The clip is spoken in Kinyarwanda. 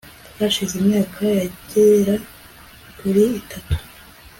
hashize imyaka yagera kuri itatu